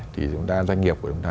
thì doanh nghiệp của chúng ta